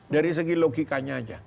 dari segi logikanya aja